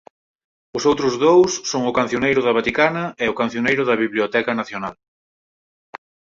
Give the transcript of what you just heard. Os outros dous son o Cancioneiro da Vaticana e o Cancioneiro da Biblioteca Nacional.